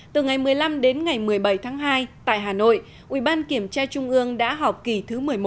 từ ngày một mươi năm đến ngày một mươi bảy tháng hai tại hà nội ủy ban kiểm tra trung ương đã họp kỳ họp thứ một mươi một của ủy ban như sau